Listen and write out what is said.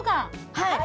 はい！